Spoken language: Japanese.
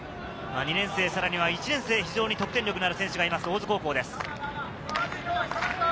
２年生、さらには１年生、得点力のある選手がいます、大津高校です。